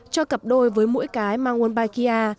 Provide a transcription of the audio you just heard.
cho cặp đôi với mũi cái mang wombakia